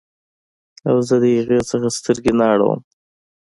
او زه د هغې څخه سترګې نه اړوم